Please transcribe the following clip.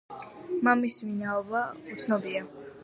მამის ვინაობა უცნობია.